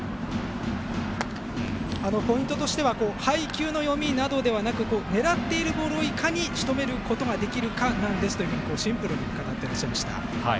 ポイントとしては配球の読みなどではなく狙っているボールをいかにしとめることができるかなんですとシンプルに語っていました。